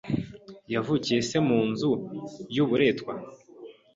Yavukiye se mu nzu y’uburetwa